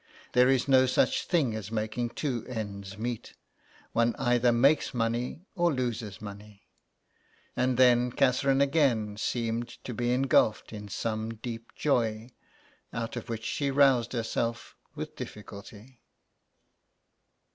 There is no such thing as making two ends meet. One either makes money or loses money." And then Catherine again seemed to be engulfed in some deep joy, out of which she roused herself with difficulty.